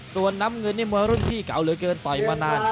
ส่วนน้ำเงินนี่มวยรุ่นพี่เก่าเหลือเกินต่อยมานาน